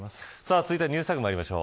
続いてＮｅｗｓＴａｇまいりましょう。